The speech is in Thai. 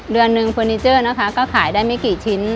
เดือนหนึ่งเฟอร์นิเจอร์นะคะก็ขายได้ไม่กี่ชิ้น